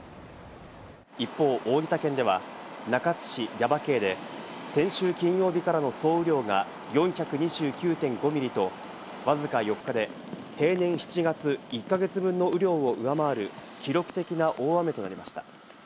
一方、大分県では中津市耶馬渓で先週金曜日からの総雨量が４２９．５ミリと、わずか４日で平年７月の１か月分の雨量を上回る記録的な大雨となりました。